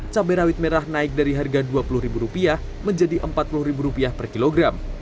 cabai rawit merah naik dari harga dua puluh ribu rupiah menjadi empat puluh ribu rupiah per kilogram